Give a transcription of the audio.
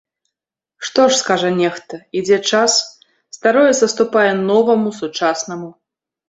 Што ж, скажа нехта, ідзе час, старое саступае новаму, сучаснаму.